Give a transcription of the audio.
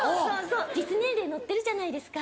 実年齢載ってるじゃないですか。